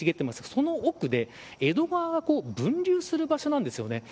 その奥で江戸川が分流する場所なんですよね。